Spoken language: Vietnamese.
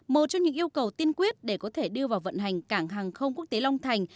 một trong những yêu cầu tiên quyết để có thể đưa vào vận hành cảng hàng không quốc tế long thành